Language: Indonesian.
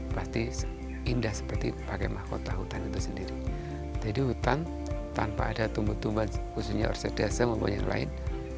pasti indah seperti pakai mahkota hutan itu sendiri jadi hutan tanpa ada tumbuh tumbuhan khususnya orsedase maupun yang lain